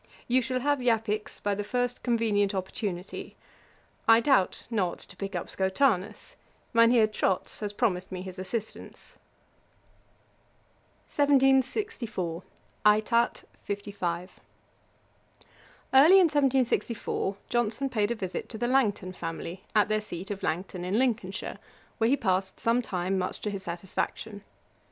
You shall have Japix by the first convenient opportunity. I doubt not to pick up Schotanus. Mynheer Trotz has promised me his assistance.' 1764: ÆTAT. 55.] Early in 1764 Johnson paid a visit to the Langton family, at their seat of Langton, in Lincolnshire, where he passed some time, much to his satisfaction.